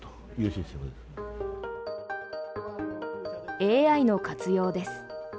ＡＩの活用です。